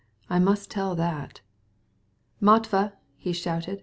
"I must repeat that." "Matvey!" he shouted.